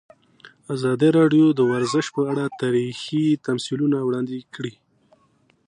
ازادي راډیو د ورزش په اړه تاریخي تمثیلونه وړاندې کړي.